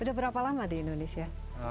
sudah berapa lama di indonesia